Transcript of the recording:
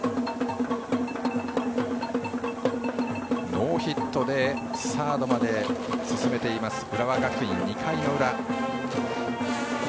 ノーヒットでサードまで進めています浦和学院、２回の裏。